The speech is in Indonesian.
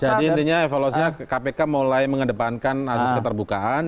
jadi intinya evolusinya kpk mulai mengedepankan asas keterbukaan